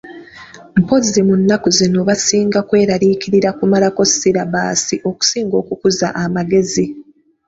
Mpozzi mu nnaku zino basinga kweraliikirira kumalako sirabaasi okusinga okukuza amagezi.